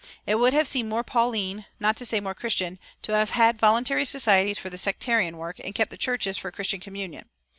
It would have seemed more Pauline, not to say more Christian, to have had voluntary societies for the sectarian work, and kept the churches for Christian communion.